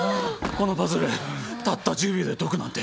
このパズルたった１０秒で解くなんて。